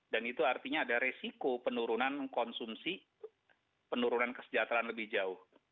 dan itu artinya ada resiko penurunan konsumsi penurunan kesejahteraan lebih jauh